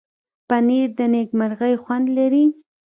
پنېر د نېکمرغۍ خوند لري.